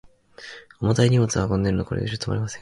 重たい荷物を積んでいるので、この車は急に止まれません。